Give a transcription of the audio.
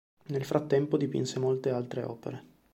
Nel frattempo dipinse molte altre opere.